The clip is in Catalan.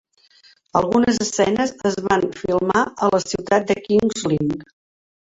Algunes escenes es van filmar a la ciutat de King's Lynn.